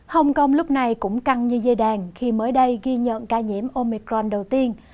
hồng kông lúc này cũng căng như dây đàn khi mới đây ghi nhận ca nhiễm omicron đầu tiên